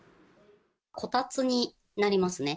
こたつになりますね。